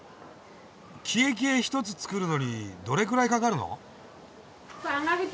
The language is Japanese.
キエキエ１つ作るのにどれくらいかかるの？